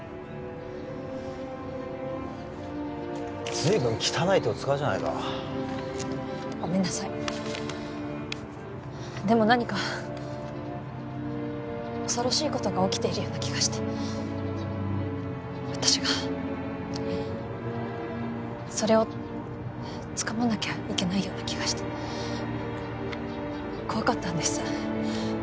随分汚い手を使うじゃないかごめんなさいでも何か恐ろしいことが起きているような気がして私がそれをつかまなきゃいけないような気がして怖かったんです